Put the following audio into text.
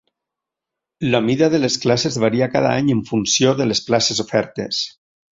La mida de les classes varia cada any en funció de les places ofertes.